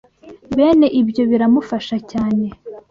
bene ibyo biramufasha cyane